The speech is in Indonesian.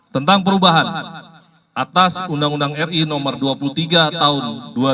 tentang perubahan atas undang undang ri no dua puluh tiga tahun dua ribu dua